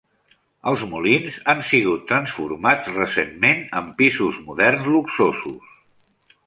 Els molins han sigut transformats recentment en pisos moderns luxosos.